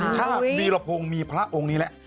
ถ้าวีรพงศ์มีพระองค์นี้แล้ว